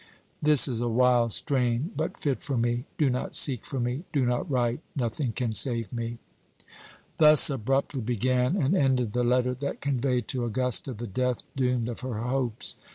This is a wild strain, but fit for me: do not seek for me, do not write: nothing can save me." Thus abruptly began and ended the letter that conveyed to Augusta the death doom of her hopes.